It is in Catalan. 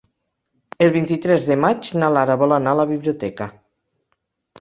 El vint-i-tres de maig na Lara vol anar a la biblioteca.